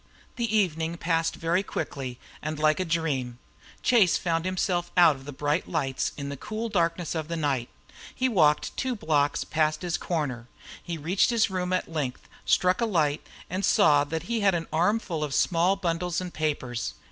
The evening passed very quickly and like a dream. Chase found himself out of the bright lights in the cool darkness of the night. He walked two blocks past his corner. He reached his room at length, struck a light, and saw that he had an armful of small bundles and papers.